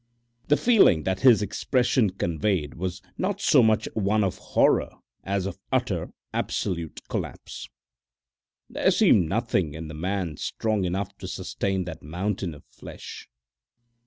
The feeling that his expression conveyed was not so much one of horror as of utter, absolute collapse. There seemed nothing in the man strong enough to sustain that mountain of flesh.